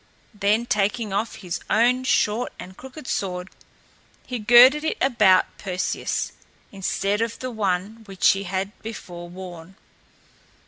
Then taking off his own short and crooked sword, he girded it about Perseus, instead of the one which he had before worn.